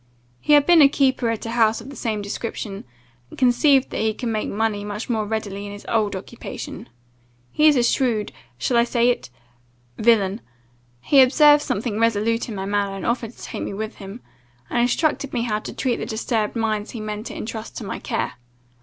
He had been a keeper at a house of the same description, and conceived that he could make money much more readily in his old occupation. He is a shrewd shall I say it? villain. He observed something resolute in my manner, and offered to take me with him, and instruct me how to treat the disturbed minds he meant to intrust to my care.